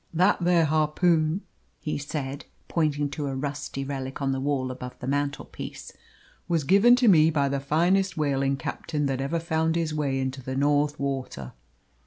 "That there harpoon," he said, pointing to a rusty relic on the wall above the mantelpiece, "was given to me by the finest whaling captain that ever found his way into the North water.